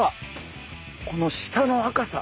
この下の赤さ。